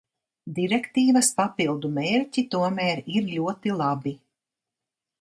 Direktīvas papildu mērķi tomēr ir ļoti labi.